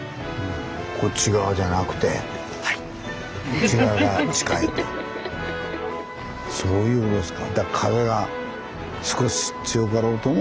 こっち側じゃなくてそういうことですか。